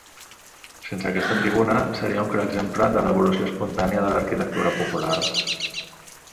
Sense aquesta tribuna seria un clar exemple de l'evolució espontània de l'arquitectura popular.